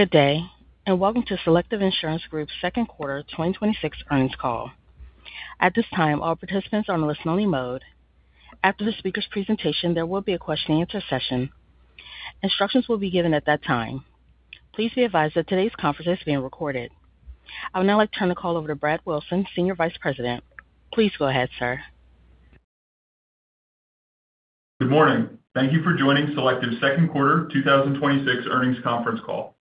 Good day. Welcome to Selective Insurance Group's second quarter 2026 earnings call. At this time, all participants are on listen-only mode. After the speaker's presentation, there will be a question-and-answer session. Instructions will be given at that time. Please be advised that today's conference is being recorded. I would now like to turn the call over to Brad Wilson, Senior Vice President. Please go ahead, sir. Good morning. Thank you for joining Selective's second quarter 2026 earnings conference call.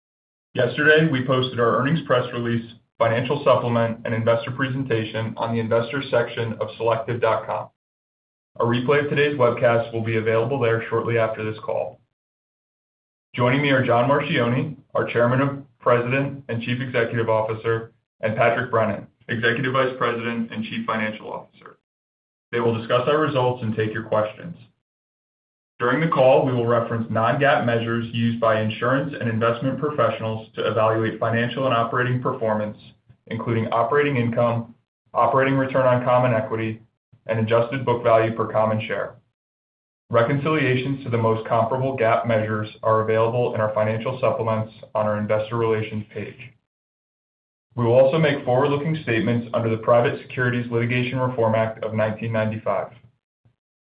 Yesterday, we posted our earnings press release, financial supplement, and investor presentation on the Investors section of selective.com. A replay of today's webcast will be available there shortly after this call. Joining me are John Marchioni, our Chairman, President, and Chief Executive Officer, and Patrick Brennan, Executive Vice President and Chief Financial Officer. They will discuss our results and take your questions. During the call, we will reference non-GAAP measures used by insurance and investment professionals to evaluate financial and operating performance, including operating income, operating return on common equity, and adjusted book value per common share. Reconciliations to the most comparable GAAP measures are available in our financial supplements on our investor relations page. We will also make forward-looking statements under the Private Securities Litigation Reform Act of 1995.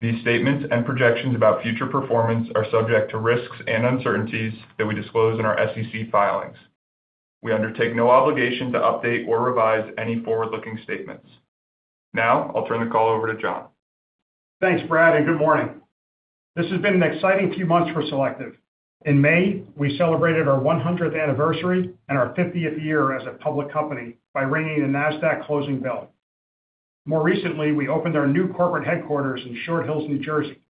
These statements and projections about future performance are subject to risks and uncertainties that we disclose in our SEC filings. We undertake no obligation to update or revise any forward-looking statements. I'll turn the call over to John. Thanks, Brad. Good morning. This has been an exciting few months for Selective. In May, we celebrated our 100th anniversary and our 50th year as a public company by ringing the Nasdaq closing bell. More recently, we opened our new corporate headquarters in Short Hills, New Jersey.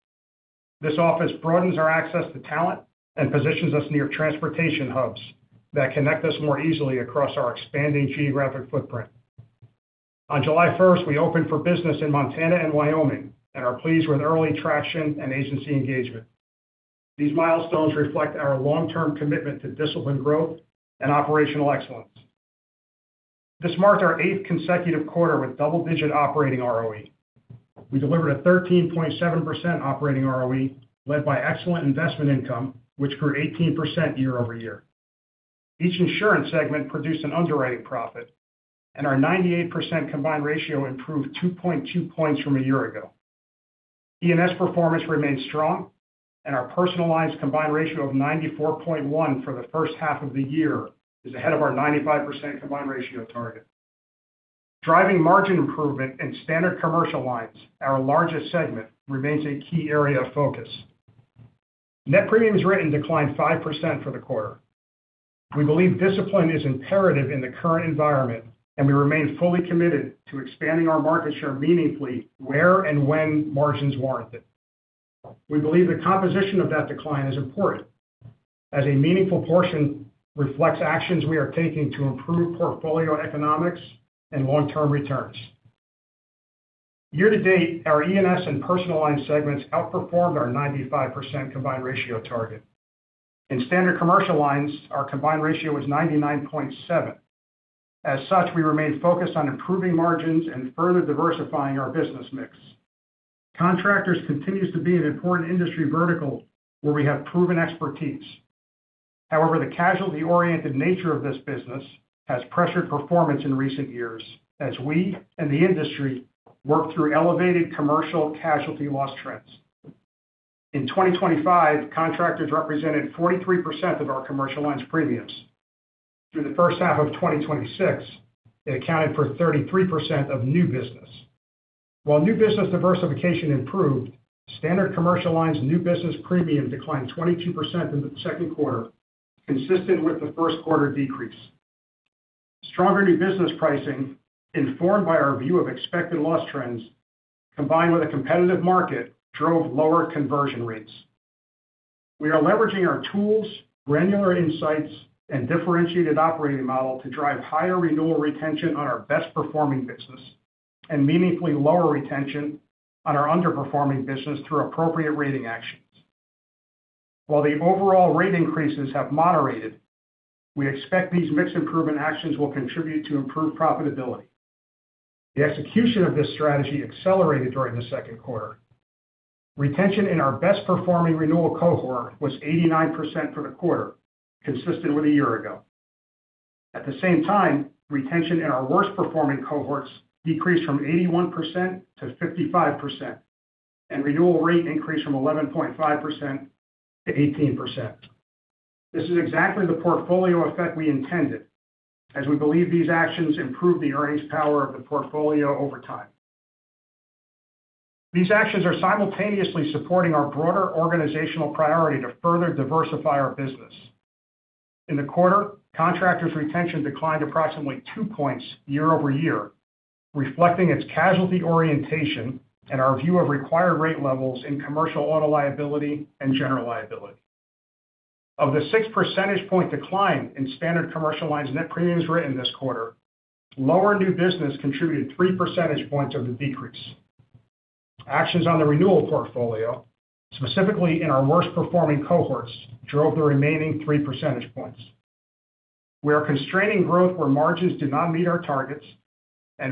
This office broadens our access to talent and positions us near transportation hubs that connect us more easily across our expanding geographic footprint. On July 1st, we opened for business in Montana and Wyoming and are pleased with early traction and agency engagement. These milestones reflect our long-term commitment to disciplined growth and operational excellence. This marked our eighth consecutive quarter with double-digit operating ROE. We delivered a 13.7% operating ROE led by excellent investment income, which grew 18% year-over-year. Each insurance segment produced an underwriting profit, and our 98% combined ratio improved 2.2 points from a year ago. E&S performance remains strong, and our personal lines combined ratio of 94.1 for the first half of the year is ahead of our 95% combined ratio target. Driving margin improvement in Standard Commercial Lines, our largest segment, remains a key area of focus. Net premiums written declined 5% for the quarter. We believe discipline is imperative in the current environment, and we remain fully committed to expanding our market share meaningfully where and when margins warrant it. We believe the composition of that decline is important, as a meaningful portion reflects actions we are taking to improve portfolio economics and long-term returns. Year to date, our E&S and personal line segments outperformed our 95% combined ratio target. In Standard Commercial Lines, our combined ratio was 99.7. As such, we remain focused on improving margins and further diversifying our business mix. Contractors continues to be an important industry vertical where we have proven expertise. However, the casualty-oriented nature of this business has pressured performance in recent years as we and the industry work through elevated commercial casualty loss trends. In 2025, contractors represented 43% of our commercial lines premiums. Through the first half of 2026, it accounted for 33% of new business. While new business diversification improved, Standard Commercial Lines' new business premium declined 22% in the second quarter, consistent with the first quarter decrease. Stronger new business pricing, informed by our view of expected loss trends, combined with a competitive market, drove lower conversion rates. We are leveraging our tools, granular insights, and differentiated operating model to drive higher renewal retention on our best-performing business and meaningfully lower retention on our underperforming business through appropriate rating actions. While the overall rate increases have moderated, we expect these mix improvement actions will contribute to improved profitability. The execution of this strategy accelerated during the second quarter. Retention in our best-performing renewal cohort was 89% for the quarter, consistent with a year ago. At the same time, retention in our worst-performing cohorts decreased from 81%-55%, and renewal rate increased from 11.5%-18%. This is exactly the portfolio effect we intended, as we believe these actions improve the earnings power of the portfolio over time. These actions are simultaneously supporting our broader organizational priority to further diversify our business. In the quarter, contractors' retention declined approximately two points year-over-year, reflecting its casualty orientation and our view of required rate levels in commercial auto liability and general liability. Of the six percentage point decline in Standard Commercial Lines net premiums written this quarter, lower new business contributed three percentage points of the decrease. Actions on the renewal portfolio, specifically in our worst-performing cohorts, drove the remaining three percentage points. We are constraining growth where margins do not meet our targets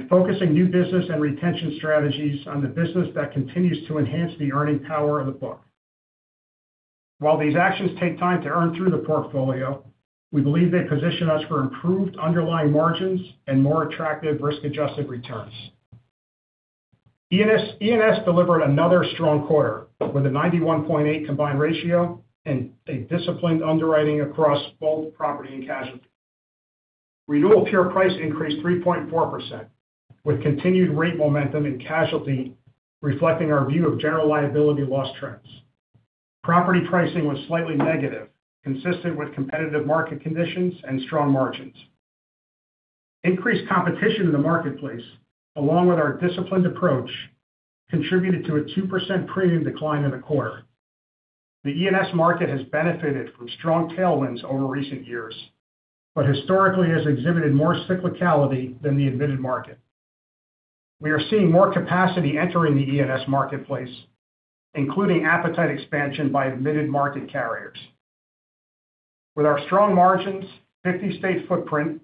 focusing new business and retention strategies on the business that continues to enhance the earning power of the book. While these actions take time to earn through the portfolio, we believe they position us for improved underlying margins and more attractive risk-adjusted returns. E&S delivered another strong quarter with a 91.8 combined ratio and a disciplined underwriting across both property and casualty. Renewal pure price increased 3.4%, with continued rate momentum in casualty reflecting our view of general liability loss trends. Property pricing was slightly negative, consistent with competitive market conditions and strong margins. Increased competition in the marketplace, along with our disciplined approach, contributed to a 2% premium decline in the quarter. The E&S market has benefited from strong tailwinds over recent years, but historically has exhibited more cyclicality than the admitted market. We are seeing more capacity entering the E&S marketplace, including appetite expansion by admitted market carriers. With our strong margins, 50-state footprint,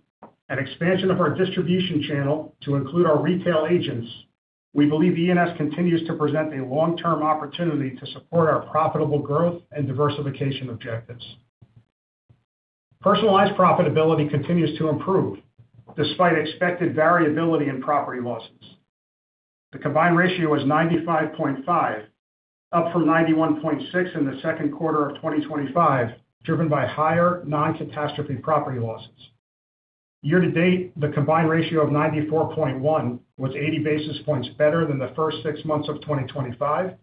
and expansion of our distribution channel to include our retail agents, we believe E&S continues to present a long-term opportunity to support our profitable growth and diversification objectives. Personalized profitability continues to improve despite expected variability in property losses. The combined ratio was 95.5, up from 91.6 in the second quarter of 2025, driven by higher non-catastrophe property losses. Year to date, the combined ratio of 94.1 was 80 basis points better than the first six months of 2025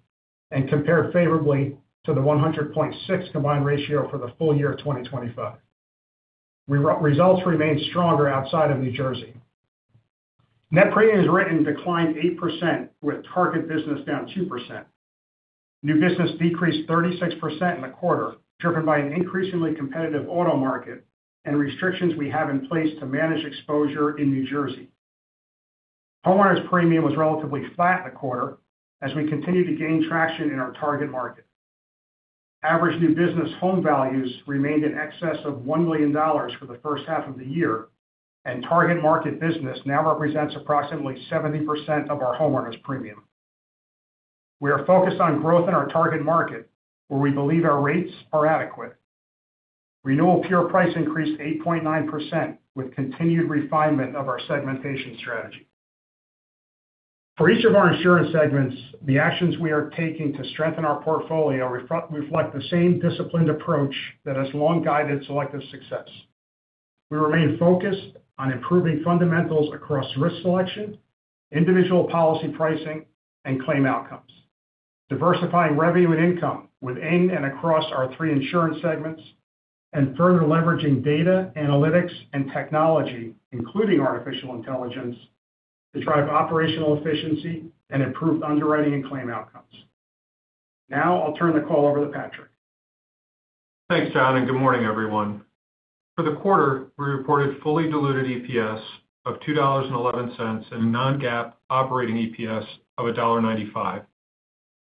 and compared favorably to the 100.6 combined ratio for the full year of 2025. Results remained stronger outside of New Jersey. Net premiums written declined 8% with target business down 2%. New business decreased 36% in the quarter, driven by an increasingly competitive auto market and restrictions we have in place to manage exposure in New Jersey. Homeowners' premium was relatively flat in the quarter as we continue to gain traction in our target market. Average new business home values remained in excess of $1 million for the first half of the year, and target market business now represents approximately 70% of our homeowners premium. We are focused on growth in our target market where we believe our rates are adequate. Renewal pure price increased 8.9% with continued refinement of our segmentation strategy. For each of our insurance segments, the actions we are taking to strengthen our portfolio reflect the same disciplined approach that has long guided Selective's success. We remain focused on improving fundamentals across risk selection, individual policy pricing and claim outcomes. Diversifying revenue and income within and across our three insurance segments and further leveraging data, analytics and technology, including artificial intelligence, to drive operational efficiency and improve underwriting and claim outcomes. I'll turn the call over to Patrick. Thanks, John. Good morning, everyone. For the quarter, we reported fully diluted EPS of $2.11 and non-GAAP operating EPS of $1.95,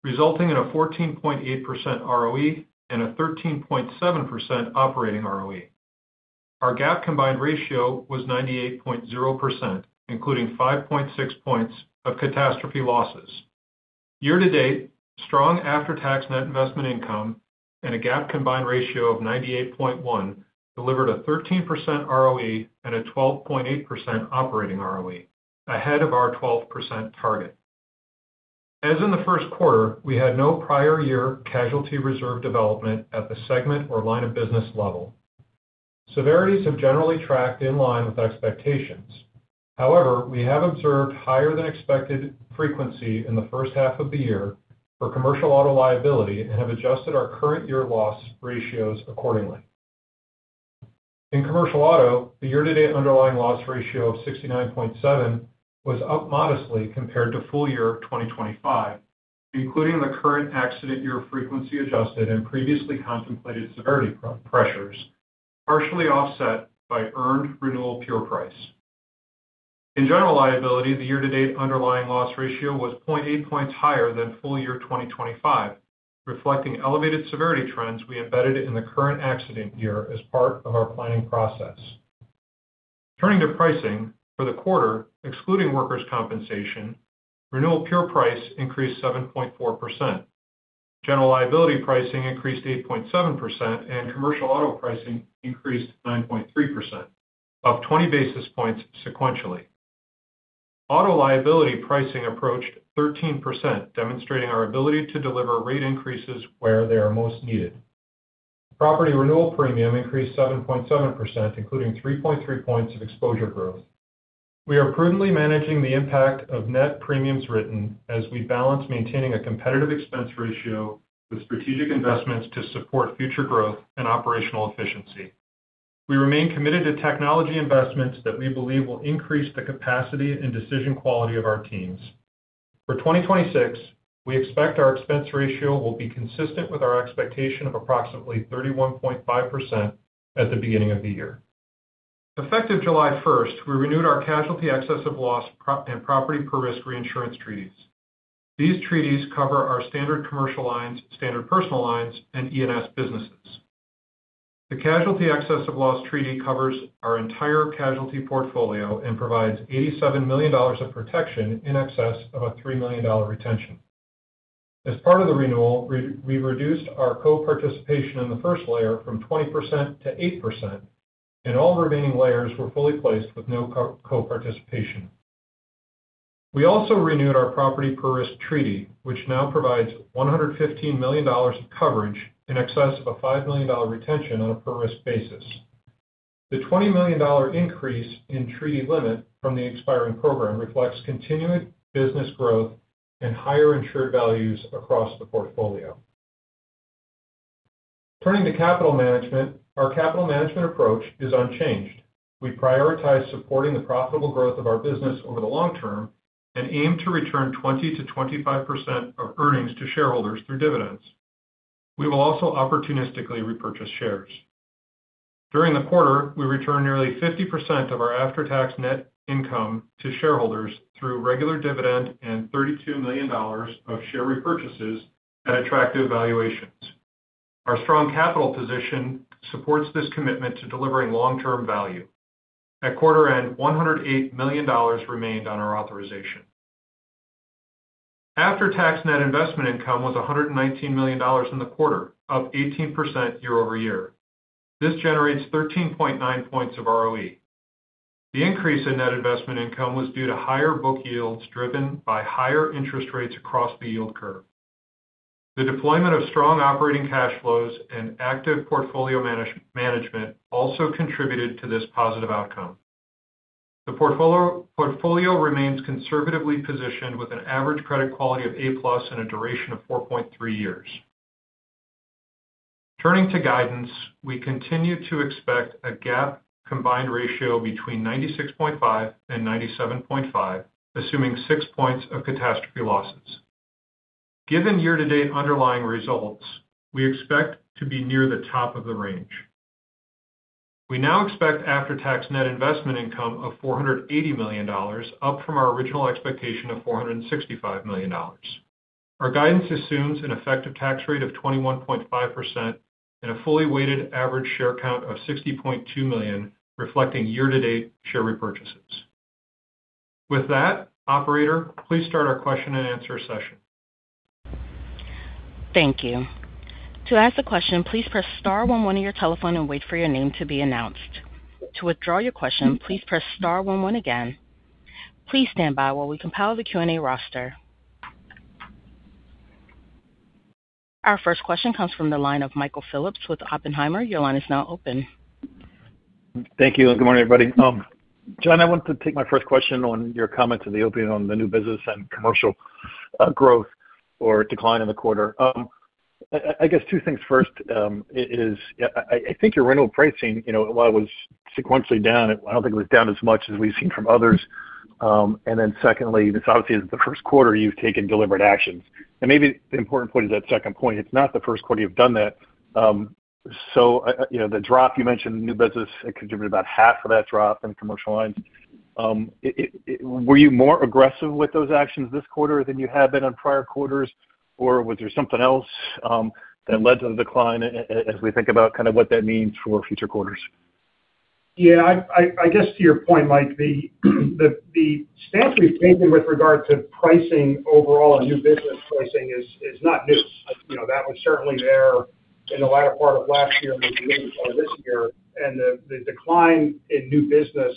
resulting in a 14.8% ROE and a 13.7% operating ROE. Our GAAP combined ratio was 98.0%, including 5.6 points of catastrophe losses. Year to date, strong after-tax net investment income and a GAAP combined ratio of 98.1 delivered a 13% ROE and a 12.8% operating ROE, ahead of our 12% target. As in the first quarter, we had no prior year casualty reserve development at the segment or line of business level. Severities have generally tracked in line with expectations. However, we have observed higher than expected frequency in the first half of the year for commercial auto liability and have adjusted our current year loss ratios accordingly. In commercial auto, the year-to-date underlying loss ratio of 69.7% was up modestly compared to full year 2025, including the current accident year frequency adjusted and previously contemplated severity pressures, partially offset by earned renewal pure price. In general liability, the year-to-date underlying loss ratio was 0.8 points higher than full year 2025, reflecting elevated severity trends we embedded in the current accident year as part of our planning process. Turning to pricing, for the quarter, excluding workers' compensation, renewal pure price increased 7.4%. General liability pricing increased 8.7% and commercial auto pricing increased 9.3%, up 20 basis points sequentially. Auto liability pricing approached 13%, demonstrating our ability to deliver rate increases where they are most needed. Property renewal premium increased 7.7%, including 3.3 points of exposure growth. We are prudently managing the impact of net premiums written as we balance maintaining a competitive expense ratio with strategic investments to support future growth and operational efficiency. We remain committed to technology investments that we believe will increase the capacity and decision quality of our teams. For 2026, we expect our expense ratio will be consistent with our expectation of approximately 31.5% at the beginning of the year. Effective July 1st, we renewed our casualty excess of loss and property per risk reinsurance treaties. These treaties cover our Standard Commercial Lines, standard personal lines, and E&S businesses. The casualty excess of loss treaty covers our entire casualty portfolio and provides $87 million of protection in excess of a $3 million retention. As part of the renewal, we reduced our co-participation in the first layer from 20% to 8%, and all remaining layers were fully placed with no co-participation. We also renewed our property per risk treaty, which now provides $115 million of coverage in excess of a $5 million retention on a per-risk basis. The $20 million increase in treaty limit from the expiring program reflects continued business growth and higher insured values across the portfolio. Turning to capital management, our capital management approach is unchanged. We prioritize supporting the profitable growth of our business over the long term and aim to return 20%-25% of earnings to shareholders through dividends. We will also opportunistically repurchase shares. During the quarter, we returned nearly 50% of our after-tax net income to shareholders through regular dividend and $32 million of share repurchases at attractive valuations. Our strong capital position supports this commitment to delivering long-term value. At quarter end, $108 million remained on our authorization. After-tax net investment income was $119 million in the quarter, up 18% year-over-year. This generates 13.9 points of ROE. The increase in net investment income was due to higher book yields driven by higher interest rates across the yield curve. The deployment of strong operating cash flows and active portfolio management also contributed to this positive outcome. The portfolio remains conservatively positioned with an average credit quality of A+ and a duration of 4.3 years. Turning to guidance, we continue to expect a GAAP combined ratio between 96.5 and 97.5, assuming six points of catastrophe losses. Given year-to-date underlying results, we expect to be near the top of the range. We now expect after-tax net investment income of $480 million, up from our original expectation of $465 million. Our guidance assumes an effective tax rate of 21.5% and a fully weighted average share count of 60.2 million, reflecting year-to-date share repurchases. With that, operator, please start our question-and-answer session. Thank you. To ask a question, please press star one on your telephone and wait for your name to be announced. To withdraw your question, please press star one, one again. Please stand by while we compile the Q&A roster. Our first question comes from the line of Michael Phillips with Oppenheimer. Your line is now open. Thank you. Good morning, everybody. John, I want to take my first question on your comments in the opening on the new business and commercial growth or decline in the quarter. I guess two things. First is I think your rental pricing, while it was sequentially down, I don't think it was down as much as we've seen from others. Secondly, this obviously is the first quarter you've taken deliberate actions. Maybe the important point is that second point, it's not the first quarter you've done that. The drop you mentioned, new business contributed about half of that drop in commercial lines. Were you more aggressive with those actions this quarter than you have been on prior quarters, or was there something else that led to the decline as we think about what that means for future quarters? Yeah. I guess to your point, Mike, the stance we've taken with regard to pricing overall and new business pricing is not new. That was certainly there in the latter part of last year, maybe even part of this year. The decline in new business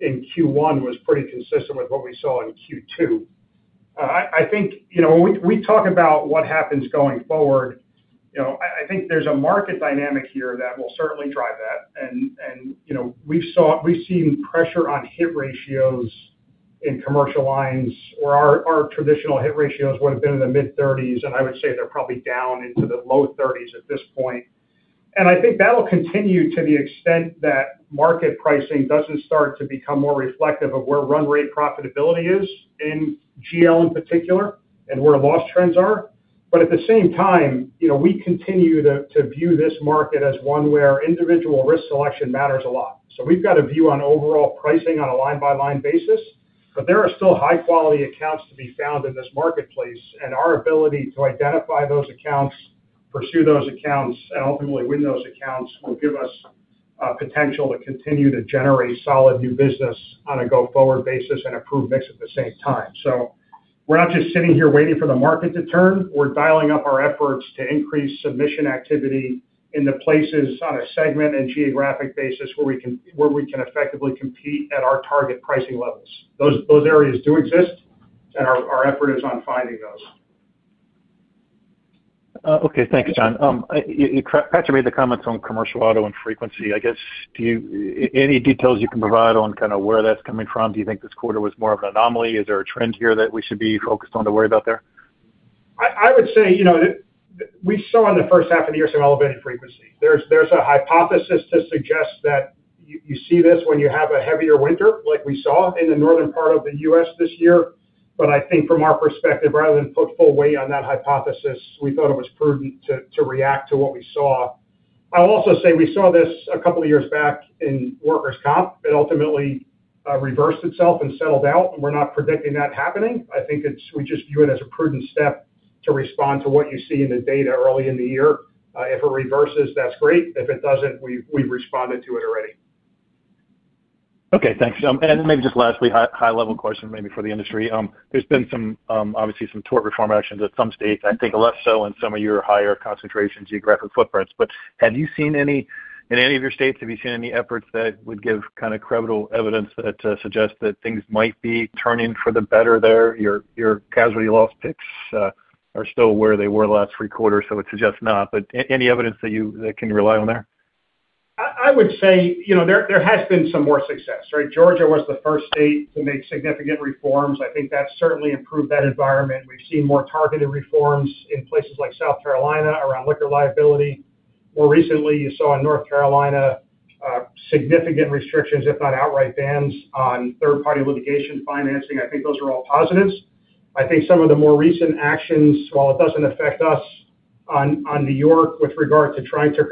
in Q1 was pretty consistent with what we saw in Q2. I think when we talk about what happens going forward, I think there's a market dynamic here that will certainly drive that. We've seen pressure on hit ratios in commercial lines where our traditional hit ratios would've been in the mid-30s, and I would say they're probably down into the low 30s at this point. I think that'll continue to the extent that market pricing doesn't start to become more reflective of where run rate profitability is in GL in particular, and where loss trends are. At the same time, we continue to view this market as one where individual risk selection matters a lot. We've got a view on overall pricing on a line-by-line basis, but there are still high-quality accounts to be found in this marketplace, and our ability to identify those accounts, pursue those accounts, and ultimately win those accounts will give us potential to continue to generate solid new business on a go-forward basis and improve mix at the same time. We're not just sitting here waiting for the market to turn. We're dialing up our efforts to increase submission activity in the places on a segment and geographic basis where we can effectively compete at our target pricing levels. Those areas do exist, and our effort is on finding those. Okay. Thank you, John. You partially made the comments on commercial auto and frequency. I guess, any details you can provide on where that's coming from? Do you think this quarter was more of an anomaly? Is there a trend here that we should be focused on to worry about there? I would say, we saw in the first half of the year some elevated frequency. There's a hypothesis to suggest that you see this when you have a heavier winter like we saw in the northern part of the U.S. this year. I think from our perspective, rather than put full weight on that hypothesis, we thought it was prudent to react to what we saw. I'll also say we saw this a couple of years back in workers' comp. It ultimately reversed itself and settled out, and we're not predicting that happening. I think we just view it as a prudent step To respond to what you see in the data early in the year. If it reverses, that's great. If it doesn't, we've responded to it already. Okay, thanks. Maybe just lastly, high-level question, maybe for the industry. There's been obviously some tort reform actions at some states, I think less so in some of your higher concentration geographic footprints. In any of your states, have you seen any efforts that would give kind of credible evidence that suggest that things might be turning for the better there? Your casualty loss picks are still where they were the last three quarters, so it suggests not. Any evidence that you can rely on there? I would say, there has been some more success, right? Georgia was the first state to make significant reforms. I think that's certainly improved that environment. We've seen more targeted reforms in places like South Carolina around liquor liability. More recently, you saw in North Carolina, significant restrictions, if not outright bans, on third-party litigation financing. I think those are all positives. I think some of the more recent actions, while it doesn't affect us on New York with regard to trying to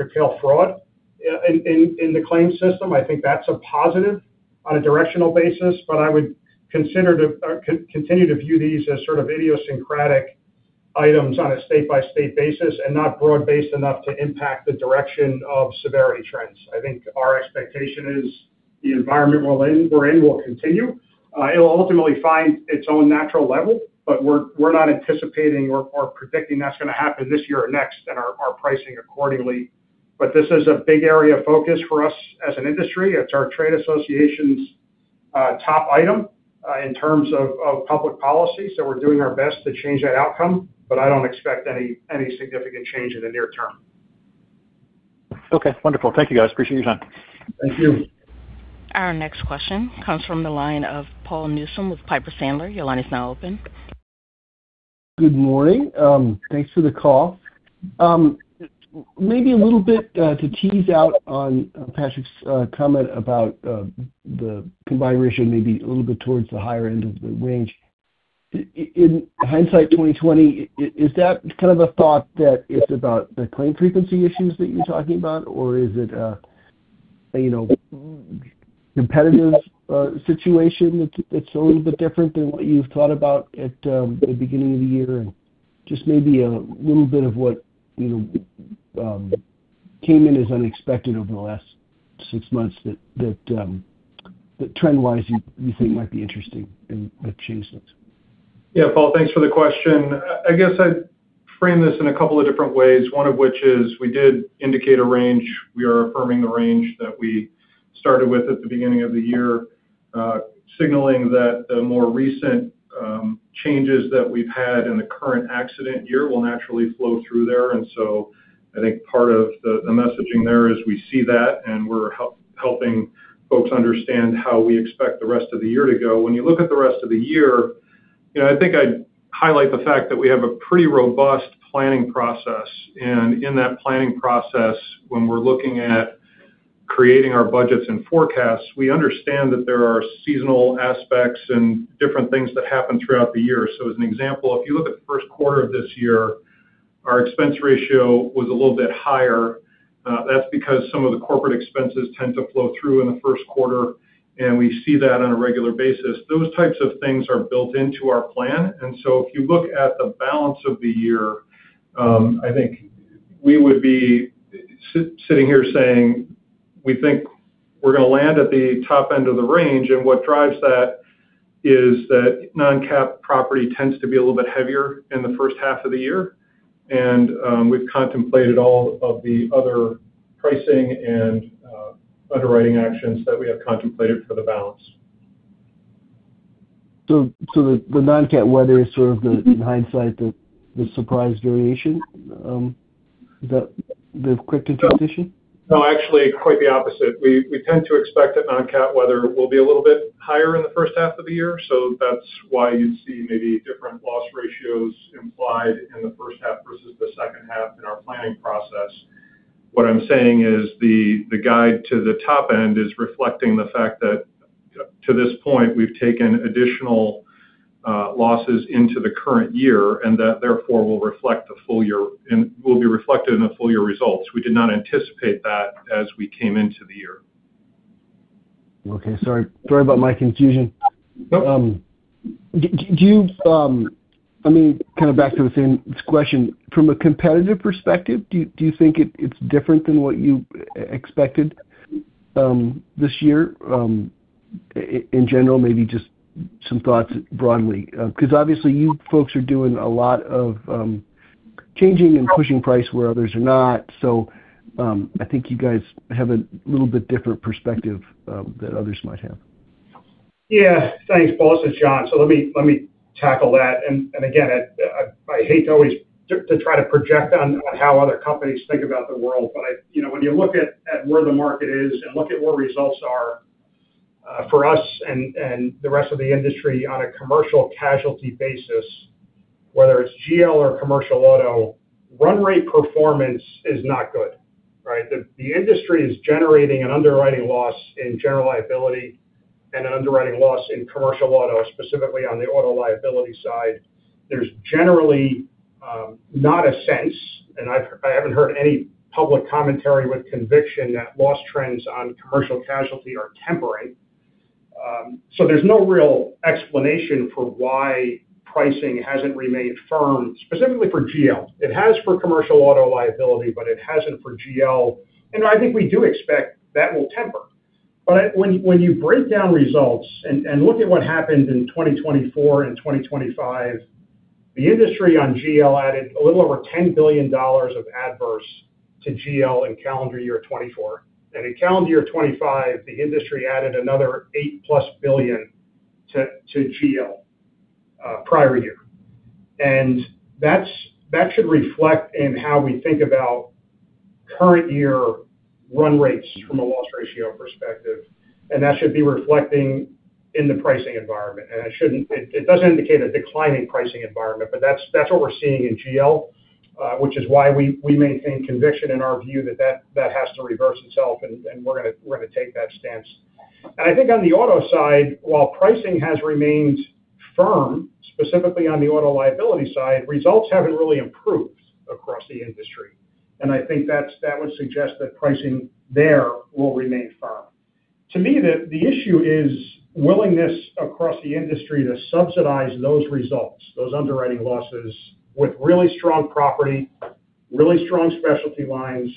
curtail fraud in the claims system, I think that's a positive on a directional basis. I would continue to view these as sort of idiosyncratic items on a state-by-state basis and not broad-based enough to impact the direction of severity trends. I think our expectation is the environment we're in will continue. It'll ultimately find its own natural level, but we're not anticipating or predicting that's going to happen this year or next and are pricing accordingly. This is a big area of focus for us as an industry. It's our trade association's top item in terms of public policy, so we're doing our best to change that outcome, but I don't expect any significant change in the near term. Okay, wonderful. Thank you, guys. Appreciate your time. Thank you. Our next question comes from the line of Paul Newsome with Piper Sandler. Your line is now open. Good morning. Thanks for the call. Maybe a little bit to tease out on Patrick's comment about the combined ratio maybe a little bit towards the higher end of the range. In hindsight 2020, is that kind of a thought that it's about the claim frequency issues that you're talking about, or is it a competitive situation that's a little bit different than what you've thought about at the beginning of the year, and just maybe a little bit of what came in as unexpected over the last six months that trend-wise you think might be interesting and might have changed things? Yeah. Paul, thanks for the question. I guess I'd frame this in a couple of different ways. One of which is we did indicate a range. We are affirming the range that we started with at the beginning of the year, signaling that the more recent changes that we've had in the current accident year will naturally flow through there. I think part of the messaging there is we see that, and we're helping folks understand how we expect the rest of the year to go. When you look at the rest of the year, I think I'd highlight the fact that we have a pretty robust planning process, and in that planning process, when we're looking at creating our budgets and forecasts, we understand that there are seasonal aspects and different things that happen throughout the year. As an example, if you look at the first quarter of this year, our expense ratio was a little bit higher. That's because some of the corporate expenses tend to flow through in the first quarter, and we see that on a regular basis. Those types of things are built into our plan. If you look at the balance of the year, I think we would be sitting here saying we think we're going to land at the top end of the range, and what drives that is that non-cat property tends to be a little bit heavier in the first half of the year. We've contemplated all of the other pricing and underwriting actions that we have contemplated for the balance. The non-cat weather is sort of the, in hindsight, the surprise variation? The quick interpretation? No, actually, quite the opposite. We tend to expect that non-GAAP weather will be a little bit higher in the first half of the year, so that's why you'd see maybe different loss ratios implied in the first half versus the second half in our planning process. What I'm saying is the guide to the top end is reflecting the fact that to this point, we've taken additional losses into the current year, and that therefore will be reflected in the full-year results. We did not anticipate that as we came into the year. Okay. Sorry about my confusion. No problem. Do you, I mean, kind of back to the same question. From a competitive perspective, do you think it's different than what you expected this year in general? Maybe just some thoughts broadly. Obviously you folks are doing a lot of changing and pushing price where others are not. I think you guys have a little bit different perspective than others might have. Yeah. Thanks, Paul. This is John. Let me tackle that. Again, I hate to always try to project on how other companies think about the world, when you look at where the market is and look at where results are for us and the rest of the industry on a commercial casualty basis, whether it's GL or commercial auto, run rate performance is not good, right? The industry is generating an underwriting loss in general liability and an underwriting loss in commercial auto, specifically on the auto liability side. There's generally not a sense, and I haven't heard any public commentary with conviction that loss trends on commercial casualty are temporary. There's no real explanation for why pricing hasn't remained firm, specifically for GL. It has for commercial auto liability, but it hasn't for GL. I think we do expect that will temper. When you break down results and look at what happened in 2024 and 2025, the industry on GL added a little over $10 billion of adverse to GL in calendar year 2024. In calendar year 2025, the industry added another $8-plus billion to GL prior year. That should reflect in how we think about current year run rates from a loss ratio perspective. That should be reflecting in the pricing environment. It doesn't indicate a decline in pricing environment, that's what we're seeing in GL, which is why we maintain conviction in our view that that has to reverse itself, we're going to take that stance. I think on the auto side, while pricing has remained firm, specifically on the auto liability side, results haven't really improved across the industry. I think that would suggest that pricing there will remain firm. To me, the issue is willingness across the industry to subsidize those results, those underwriting losses, with really strong property, really strong specialty lines,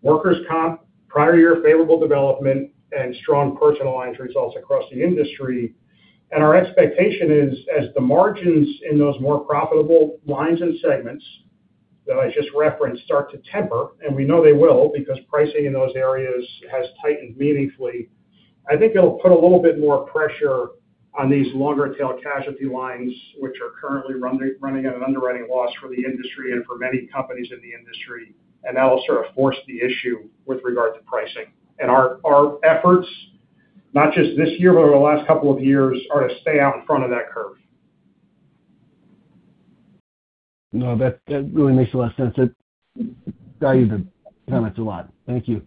workers' comp, prior year favorable development, and strong personal lines results across the industry. Our expectation is, as the margins in those more profitable lines and segments that I just referenced start to temper, and we know they will because pricing in those areas has tightened meaningfully, I think it'll put a little bit more pressure on these longer-tail casualty lines, which are currently running at an underwriting loss for the industry and for many companies in the industry, that will sort of force the issue with regard to pricing. Our efforts, not just this year, but over the last couple of years, are to stay out in front of that curve. No, that really makes a lot of sense. I value the comments a lot. Thank you.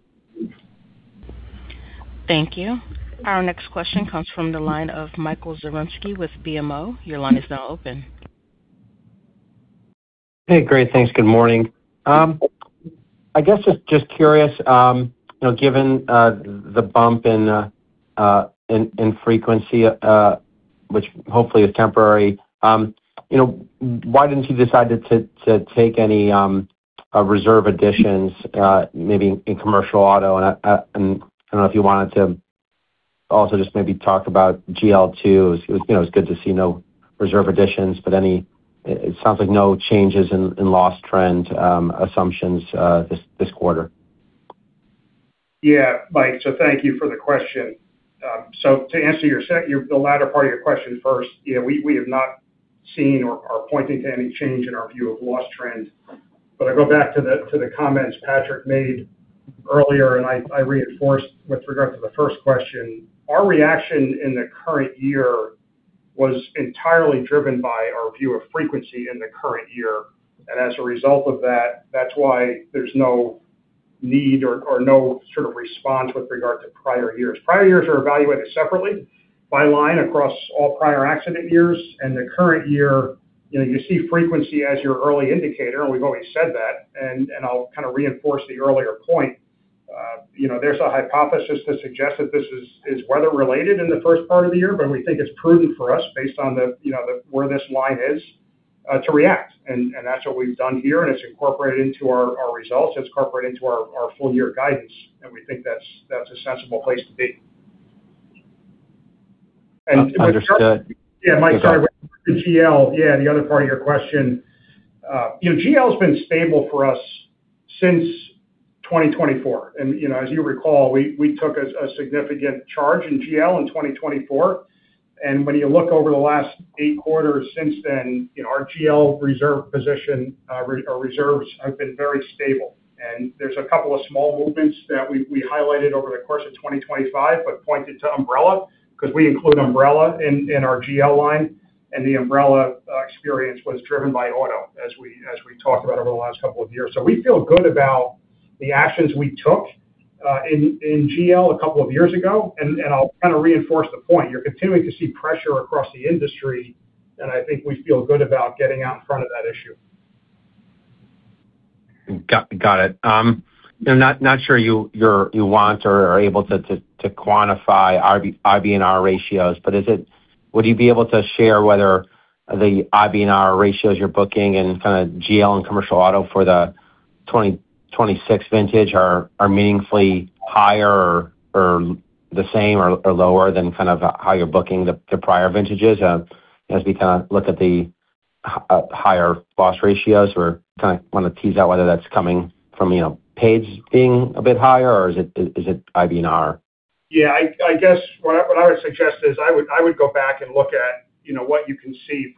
Thank you. Our next question comes from the line of Michael Zaremski with BMO. Your line is now open. Hey, great. Thanks. Good morning. I guess just curious, given the bump in frequency, which hopefully is temporary, why didn't you decide to take any reserve additions, maybe in commercial auto, and I don't know if you wanted to also just maybe talk about GL2. It's good to see no reserve additions, but it sounds like no changes in loss trend assumptions this quarter. Yeah, Mike. Thank you for the question. To answer the latter part of your question first, we have not seen or are pointing to any change in our view of loss trend. I go back to the comments Patrick made earlier, and I reinforced with regard to the first question. Our reaction in the current year was entirely driven by our view of frequency in the current year. As a result of that's why there's no need or no sort of response with regard to prior years. Prior years are evaluated separately by line across all prior accident years and the current year. You see frequency as your early indicator, and we've always said that, I'll kind of reinforce the earlier point. There's a hypothesis that suggests that this is weather related in the first part of the year, but we think it's prudent for us based on where this line is, to react. That's what we've done here, and it's incorporated into our results. It's incorporated into our full-year guidance, we think that's a sensible place to be. Understood. Yeah, Mike, sorry. The GL, yeah, the other part of your question. GL's been stable for us since 2024. As you recall, we took a significant charge in GL in 2024. When you look over the last eight quarters since then, our GL reserves have been very stable. There's a couple of small movements that we highlighted over the course of 2025, but pointed to umbrella because we include umbrella in our GL line. The umbrella experience was driven by auto, as we talked about over the last couple of years. We feel good about the actions we took in GL a couple of years ago, I'll kind of reinforce the point. You're continuing to see pressure across the industry, and I think we feel good about getting out in front of that issue. Got it. I'm not sure you want or are able to quantify IBNR ratios, but would you be able to share whether the IBNR ratios you're booking in GL and commercial auto for the 2026 vintage are meaningfully higher or the same or lower than how you're booking the prior vintages? As we look at the higher loss ratios, we kind of want to tease out whether that's coming from paid being a bit higher or is it IBNR? Yeah. I guess what I would suggest is I would go back and look at what you can see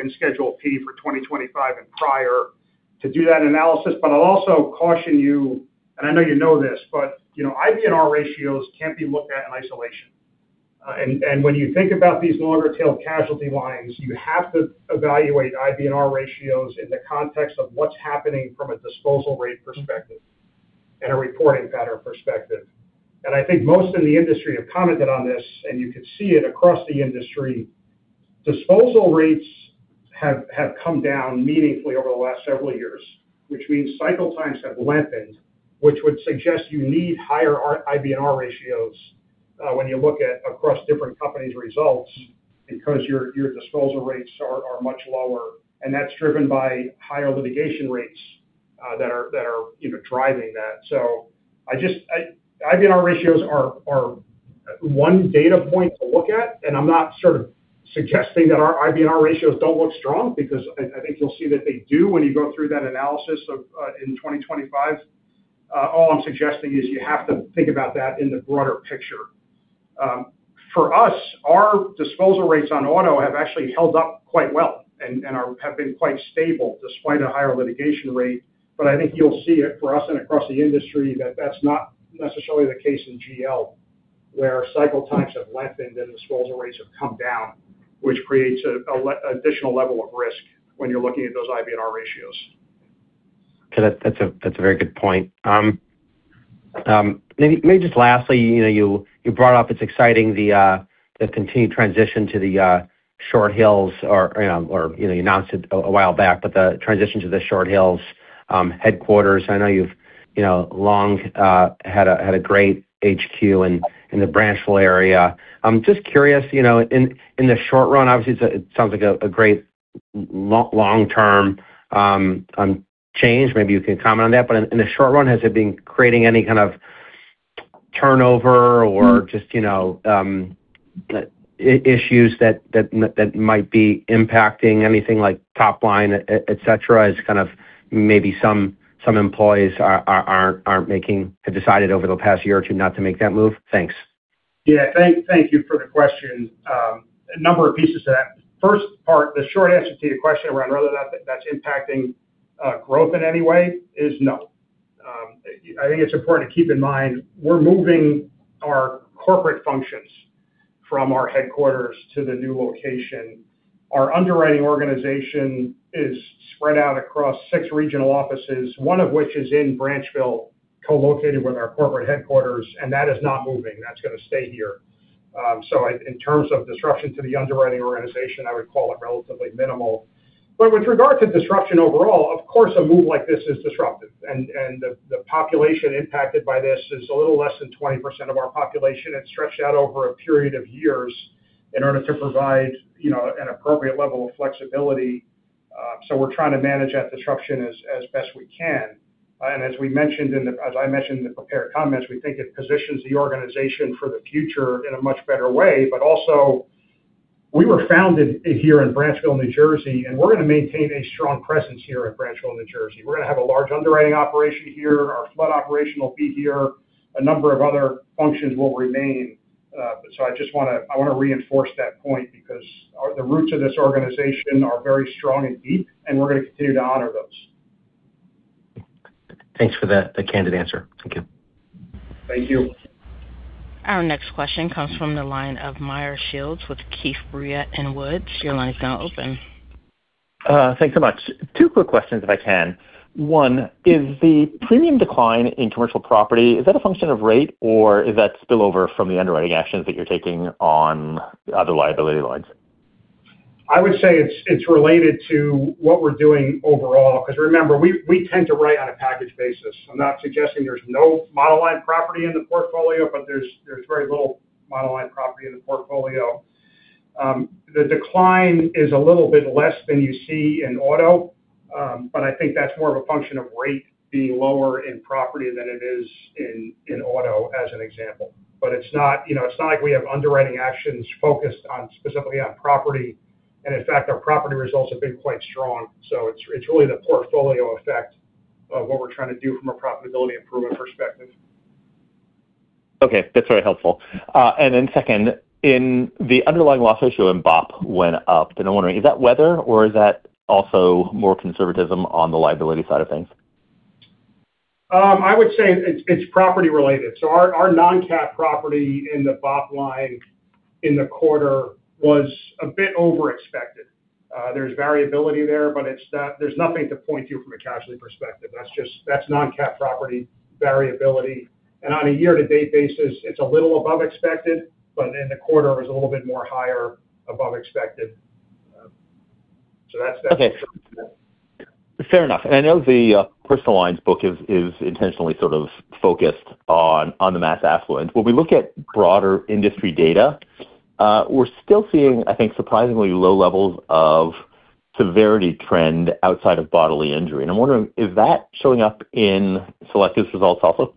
in Schedule P for 2025 and prior to do that analysis. I'll also caution you, and I know you know this, but IBNR ratios can't be looked at in isolation. When you think about these longer tail casualty lines, you have to evaluate IBNR ratios in the context of what's happening from a disposal rate perspective and a reporting pattern perspective. I think most in the industry have commented on this, and you could see it across the industry. Disposal rates have come down meaningfully over the last several years, which means cycle times have lengthened, which would suggest you need higher IBNR ratios, when you look across different companies' results because your disposal rates are much lower, and that's driven by higher litigation rates that are driving that. IBNR ratios are one data point to look at, and I'm not suggesting that our IBNR ratios don't look strong because I think you'll see that they do when you go through that analysis in 2025. All I'm suggesting is you have to think about that in the broader picture. For us, our disposal rates on auto have actually held up quite well and have been quite stable despite a higher litigation rate. I think you'll see it for us and across the industry that's not necessarily the case in GL, where cycle times have lengthened and disposal rates have come down, which creates an additional level of risk when you're looking at those IBNR ratios. Okay. That's a very good point. Maybe just lastly, you brought up it's exciting the continued transition to the Short Hills or you announced it a while back, but the transition to the Short Hills headquarters. I know you've long had a great HQ in the Branchville area. Just curious, in the short run, obviously, it sounds like a great long-term change. Maybe you can comment on that. In the short run, has it been creating any kind of turnover or just issues that might be impacting anything like top line, et cetera, as maybe some employees have decided over the past year or two not to make that move? Thanks. Yeah. Thank you for the question. A number of pieces to that. First part, the short answer to your question around whether that's impacting growth in any way is no. I think it's important to keep in mind, we're moving our corporate functions from our headquarters to the new location. Our underwriting organization is spread out across six regional offices, one of which is in Branchville, co-located with our corporate headquarters, and that is not moving. That's going to stay here. In terms of disruption to the underwriting organization, I would call it relatively minimal. With regard to disruption overall, of course, a move like this is disruptive, and the population impacted by this is a little less than 20% of our population. It's stretched out over a period of years in order to provide an appropriate level of flexibility. We're trying to manage that disruption as best we can. As I mentioned in the prepared comments, we think it positions the organization for the future in a much better way. Also, we were founded here in Branchville, New Jersey, and we're going to maintain a strong presence here in Branchville, New Jersey. We're going to have a large underwriting operation here. Our flood operation will be here. A number of other functions will remain. I want to reinforce that point because the roots of this organization are very strong and deep, and we're going to continue to honor those. Thanks for that candid answer. Thank you. Thank you. Our next question comes from the line of Meyer Shields with Keefe, Bruyette & Woods. Your line is now open. Thanks so much. Two quick questions if I can. One, is the premium decline in commercial property, is that a function of rate, or is that spillover from the underwriting actions that you're taking on the other liability lines? I would say it's related to what we're doing overall because remember, we tend to write on a package basis. I'm not suggesting there's no monoline property in the portfolio, but there's very little monoline property in the portfolio. The decline is a little bit less than you see in auto. I think that's more of a function of rate being lower in property than it is in auto as an example. It's not like we have underwriting actions focused on specifically on property, and in fact, our property results have been quite strong. It's really the portfolio effect of what we're trying to do from a profitability improvement perspective. Okay. That's very helpful. Second, in the underlying loss ratio in BOP went up, and I'm wondering, is that weather or is that also more conservatism on the liability side of things? I would say it's property related. Our non-CAT property in the BOP line in the quarter was a bit over expected. There's variability there, but there's nothing to point to from a casualty perspective. That's non-CAT property variability. On a year-to-date basis, it's a little above expected, but in the quarter is a little bit more higher above expected. That's that. Okay. Fair enough. I know the personal lines book is intentionally focused on the mass affluent. When we look at broader industry data, we're still seeing, I think, surprisingly low levels of severity trend outside of bodily injury. I'm wondering, is that showing up in Selective's results also?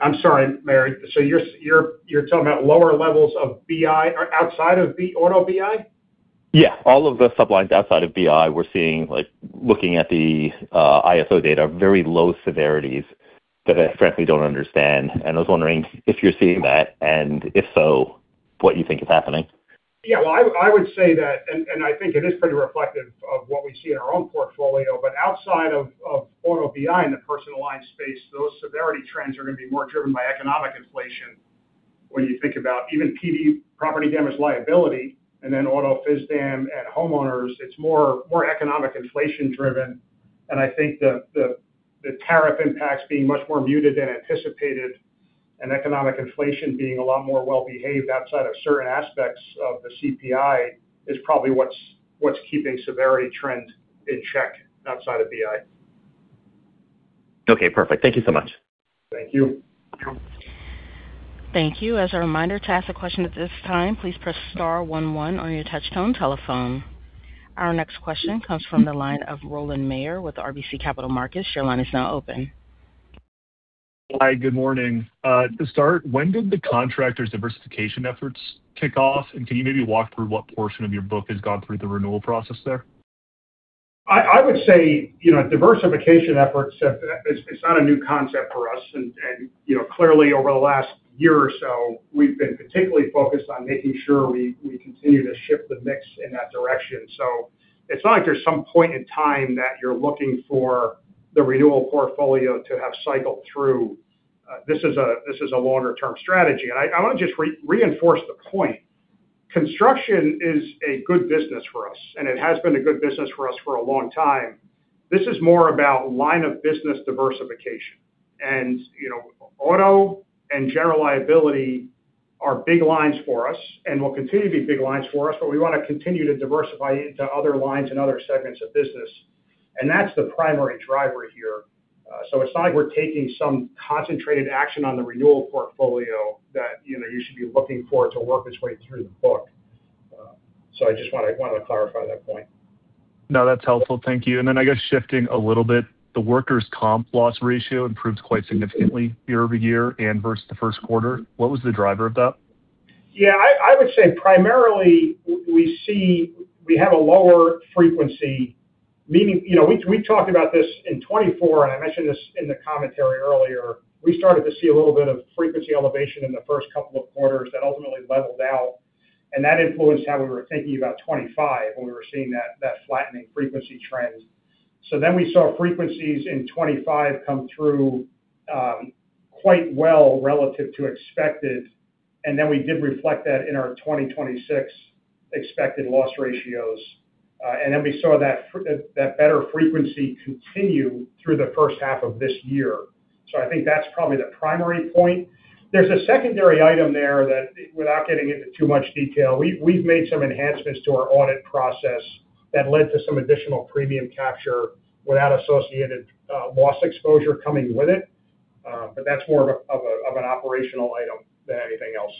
I'm sorry, Meyer. You're talking about lower levels of BI or outside of auto BI? Yeah. All of the sublines outside of BI, we're seeing, looking at the ISO data, very low severities that I frankly don't understand. I was wondering if you're seeing that, and if so, what you think is happening. Yeah. Well, I would say that, and I think it is pretty reflective of what we see in our own portfolio, but outside of auto BI in the personal line space, those severity trends are going to be more driven by economic inflation when you think about even PD, property damage liability, and then auto FISDAM at homeowners, it's more economic inflation driven. I think the tariff impacts being much more muted than anticipated, and economic inflation being a lot more well behaved outside of certain aspects of the CPI is probably what's keeping severity trend in check outside of BI. Okay, perfect. Thank you so much. Thank you. Thank you. As a reminder, to ask a question at this time, please press star one, one on your touchtone telephone. Our next question comes from the line of Rowland Mayor with RBC Capital Markets. Your line is now open. Hi. Good morning. To start, when did the contractors' diversification efforts kick off? Can you maybe walk through what portion of your book has gone through the renewal process there? I would say diversification efforts, it's not a new concept for us. Clearly over the last year or so, we've been particularly focused on making sure we continue to shift the mix in that direction. It's not like there's some point in time that you're looking for the renewal portfolio to have cycled through. This is a longer-term strategy. I want to just reinforce the point. Construction is a good business for us, and it has been a good business for us for a long time. This is more about line of business diversification. Auto and general liability are big lines for us and will continue to be big lines for us, but we want to continue to diversify into other lines and other segments of business. That's the primary driver here. It's not like we're taking some concentrated action on the renewal portfolio that you should be looking for to work its way through the book. I just want to clarify that point. No, that's helpful. Thank you. I guess shifting a little bit, the workers' comp loss ratio improved quite significantly year-over-year and versus the first quarter. What was the driver of that? I would say primarily we have a lower frequency. We talked about this in 2024. I mentioned this in the commentary earlier. We started to see a little bit of frequency elevation in the first couple of quarters that ultimately leveled out. That influenced how we were thinking about 2025 when we were seeing that flattening frequency trend. We saw frequencies in 2025 come through quite well relative to expected. We did reflect that in our 2026 expected loss ratios. We saw that better frequency continue through the first half of this year. I think that's probably the primary point. There's a secondary item there that, without getting into too much detail, we've made some enhancements to our audit process that led to some additional premium capture without associated loss exposure coming with it. That's more of an operational item than anything else.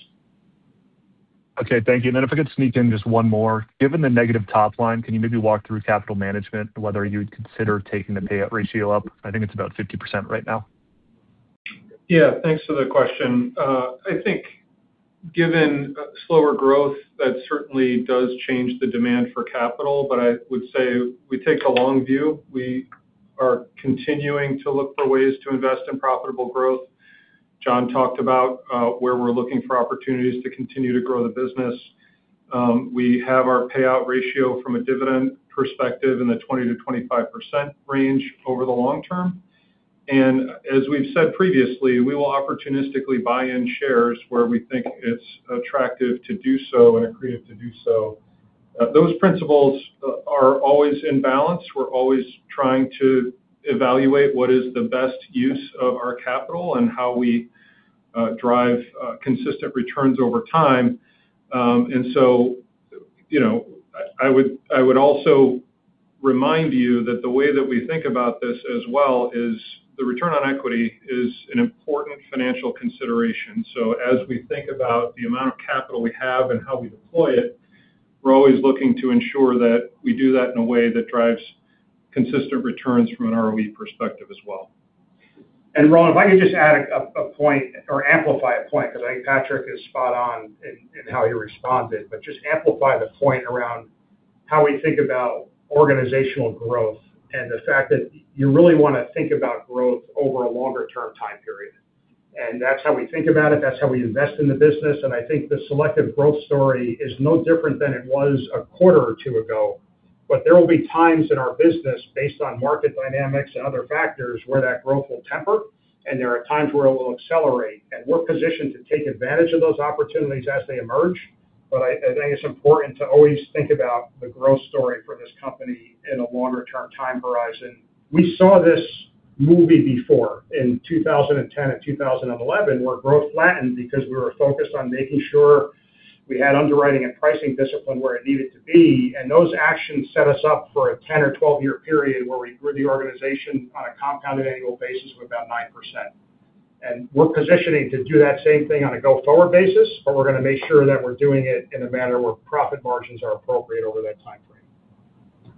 Okay, thank you. Then if I could sneak in just one more. Given the negative top line, can you maybe walk through capital management and whether you'd consider taking the payout ratio up? I think it's about 50% right now. Yeah, thanks for the question. I think given slower growth, that certainly does change the demand for capital. I would say we take the long view. We are continuing to look for ways to invest in profitable growth. John talked about where we're looking for opportunities to continue to grow the business. We have our payout ratio from a dividend perspective in the 20%-25% range over the long term. As we've said previously, we will opportunistically buy in shares where we think it's attractive to do so and accretive to do so. Those principles are always in balance. We're always trying to evaluate what is the best use of our capital and how we drive consistent returns over time. I would also remind you that the way that we think about this as well is the return on equity is an important financial consideration. As we think about the amount of capital we have and how we deploy it, we're always looking to ensure that we do that in a way that drives consistent returns from an ROE perspective as well. Rowland, if I could just add a point or amplify a point, because I think Patrick is spot on in how he responded, but just amplify the point around how we think about organizational growth and the fact that you really want to think about growth over a longer-term time period. That's how we think about it. That's how we invest in the business. I think the selective growth story is no different than it was a quarter or two ago. There will be times in our business based on market dynamics and other factors where that growth will temper, and there are times where it will accelerate, and we're positioned to take advantage of those opportunities as they emerge. I think it's important to always think about the growth story for this company in a longer-term time horizon. We saw this movie before in 2010 and 2011, where growth flattened because we were focused on making sure we had underwriting and pricing discipline where it needed to be. Those actions set us up for a 10 or 12-year period where we grew the organization on a compounded annual basis of about 9%. We're positioning to do that same thing on a go-forward basis, but we're going to make sure that we're doing it in a manner where profit margins are appropriate over that time frame.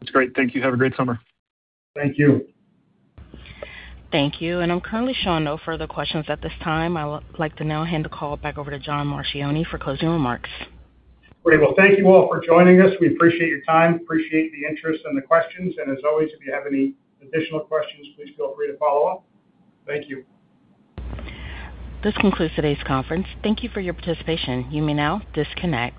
That's great. Thank you. Have a great summer. Thank you. Thank you. I'm currently showing no further questions at this time. I would like to now hand the call back over to John Marchioni for closing remarks. Great. Well, thank you all for joining us. We appreciate your time, appreciate the interest and the questions. As always, if you have any additional questions, please feel free to follow up. Thank you. This concludes today's conference. Thank you for your participation. You may now disconnect.